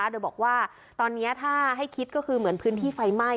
โดยบอกว่าตอนนี้ถ้าให้คิดก็คือเหมือนพื้นที่ไฟไหม้